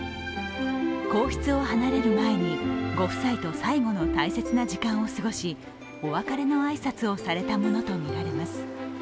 皇室を離れる前にご夫妻と最後の大切な時間を過ごし、お別れの挨拶をされたものとみられます。